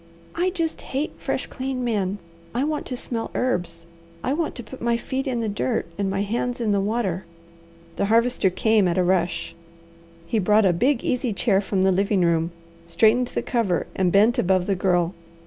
"I just hate fresh, clean men. I want to smell herbs. I want to put my feet in the dirt and my hands in the water." The Harvester came at a rush. He brought a big easy chair from the living room, straightened the cover, and bent above the Girl.